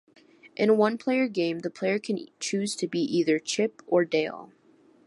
In a one-player game, the player can choose to be either Chip or Dale.